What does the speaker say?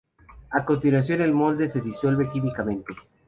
A continuación el molde se disuelve químicamente.